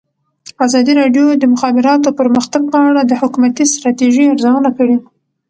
ازادي راډیو د د مخابراتو پرمختګ په اړه د حکومتي ستراتیژۍ ارزونه کړې.